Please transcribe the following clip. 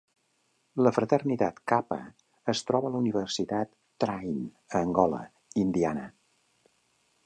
La fraternitat Kappa es troba a la Universitat Trine, a Angola, Indiana.